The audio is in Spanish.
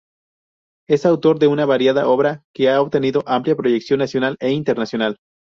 Es autor de una variada obra que ha obtenido amplia proyección nacional e internacional.